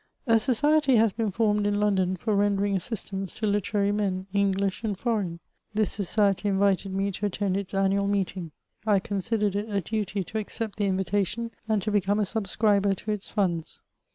A flOcnsTT has been fiNnoed in London for rendering asfiost ance to litenoy men, Engli^ and fbreigii. This sociely in vited me to attend its amrasl meetiiig; I considered it a doty to acoept the iniritation, and to become a subscriber to its funds.